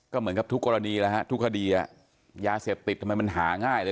ก็เหมือนกับทุกกรณีแล้วฮะทุกคดียาเสพติดทำไมมันหาง่ายเลย